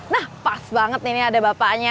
nah pas banget nih ada bapaknya